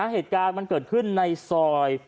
เหตุการณ์มันเกิดขึ้นในซอย